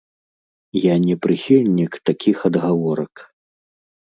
Я не прыхільнік такіх адгаворак.